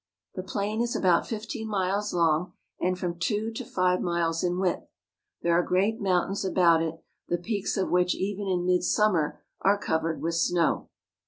The plain is about fifteen miles long and from two to five miles in width. There are great mountains about it, the peaks of which even in midsummer are covered with snow.